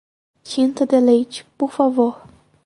Tinta de leite, por favor.